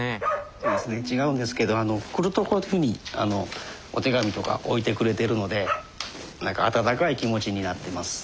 そうですね違うんですけど来るとこういうふうにお手紙とか置いてくれてるので何か温かい気持ちになってます。